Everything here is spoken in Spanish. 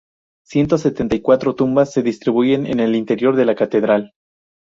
Ciento sesenta y cuatro tumbas se distribuyen en el interior de la catedral.